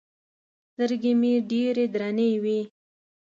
سترګې مې ډېرې درنې وې.